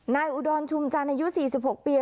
อุดรชุมจันทร์อายุ๔๖ปี